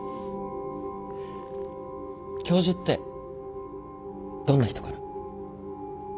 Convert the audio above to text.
教授ってどんな人かな？